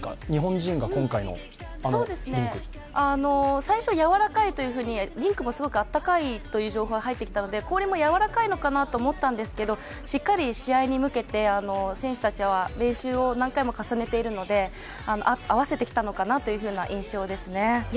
日本人にとって、今回のあのリンク最初、やわらかいとリンクもすごくあったかいという情報が入ってきたので氷もやわらかいのかなと思ったんですけどしっかり試合に向けて選手たちは練習を何回も重ねているので合わせてきたのかなという印象ですね。